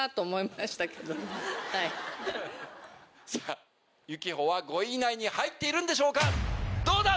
さぁユキホは５位以内に入っているんでしょうか？